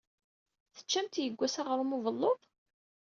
Teččamt yewwas aɣṛum n ubelluḍ?